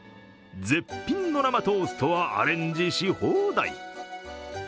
絶品の生トーストはアレンジし放題。